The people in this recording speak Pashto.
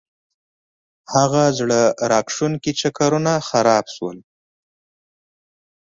هغه زړه راکښونکي چکرونه ګنډېر شول.